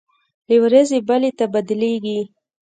له ورځې بلې ته بدلېږي.